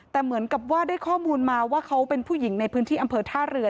แต่เหมือนกับว่าได้ข้อมูลมาว่าเขาเป็นผู้หญิงในพื้นที่อำเภอท่าเรือ